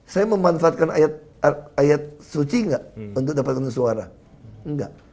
saya memanfaatkan ayat suci enggak untuk dapatkan suara enggak